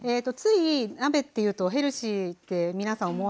つい鍋っていうとヘルシーって皆さん